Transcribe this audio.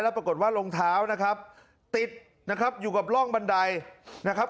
ปรากฏว่ารองเท้านะครับติดนะครับอยู่กับร่องบันไดนะครับ